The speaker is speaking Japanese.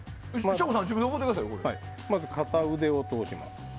まず片腕を通します。